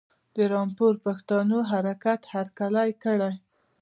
د رامپور پښتنو حرکت هرکلی کړی.